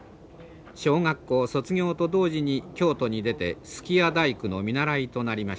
小学校卒業と同時に京都に出て数寄屋大工の見習いとなりました。